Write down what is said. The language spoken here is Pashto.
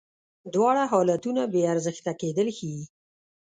دواړه حالتونه بې ارزښته کېدل ښیې.